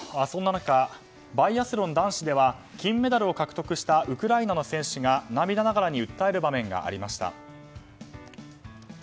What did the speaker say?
そんな中、バイアスロン男子では金メダルを獲得したウクライナの選手が涙ながらに訴える場面がありました。